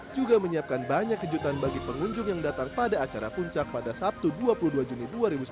juga menyiapkan banyak kejutan bagi pengunjung yang datang pada acara puncak pada sabtu dua puluh dua juni dua ribu sembilan belas